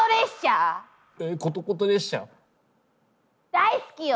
大好きよ！